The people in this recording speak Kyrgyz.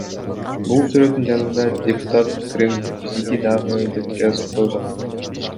Бул сүрөттүн жанында депутат Крым — биздики дагы деп жазып койгон.